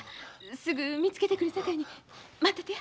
すぐ見つけてくるさかいに待っててや。